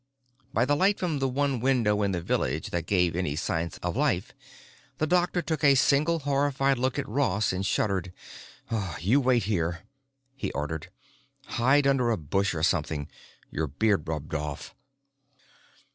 By the light from the one window in the village that gave any signs of life, the doctor took a single horrified look at Ross and shuddered. "You wait here," he ordered. "Hide under a bush or something—your beard rubbed off."